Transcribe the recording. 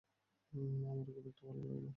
আমারও খুব একটা ভালো লাগে না।